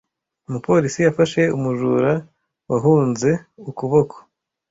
Umupolisi yafashe umujura wahunze ukuboko.